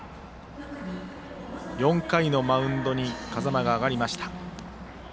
４回のマウンドに風間が上がりました。